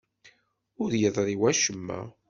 Ur yeḍṛi wacemma.